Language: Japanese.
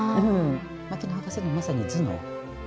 牧野博士のまさに頭脳。